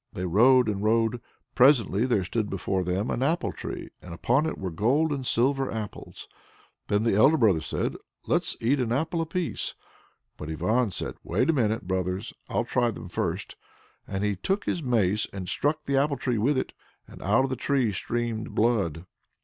They rode and rode; presently there stood before them an apple tree, and upon it were gold and silver apples. Then the elder brothers said, "Let's eat an apple apiece." But Ivan said, "Wait a minute, brothers; I'll try them first," and he took his mace, and struck the apple tree with it. And out of the tree streamed blood.